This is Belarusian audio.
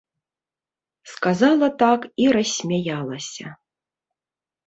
Сказала так і рассмяялася.